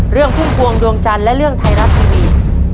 พุ่มพวงดวงจันทร์และเรื่องไทยรัฐทีวี